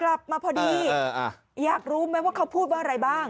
กลับมาพอดีอยากรู้ไหมว่าเขาพูดว่าอะไรบ้าง